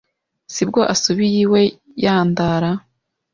Sibwo asubiye iwe yandara.